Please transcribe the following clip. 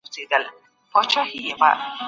الله زموږ نیتونو ته ګوري.